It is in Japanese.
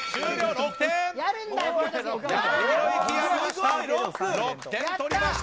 ６点取りました！